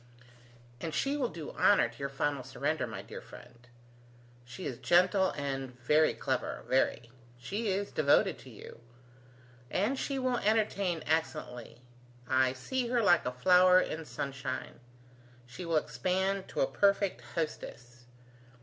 And she will do honour to your final surrender, my dear friend. She is gentle, and very clever, very: she is devoted to you: she will entertain excellently. I see her like a flower in sunshine. She will expand to a perfect hostess.